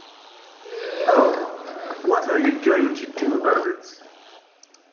Well, what are you going to do about it?